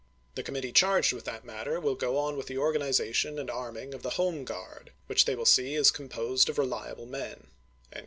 The committee charged with that matter will go on with the organization and arming of the Home Guard, which they will see is composed to Lincoln, of reliable men."